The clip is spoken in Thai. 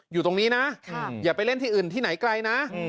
อยู่ตรงนี้นะอย่าไปเล่นที่อื่นที่ไหนไกลนะ